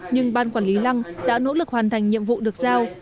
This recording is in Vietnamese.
nhưng ban quản lý lăng đã nỗ lực hoàn thành nhiệm vụ được giao